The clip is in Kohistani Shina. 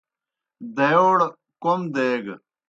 دائیوڑ کوْم دیگہ۔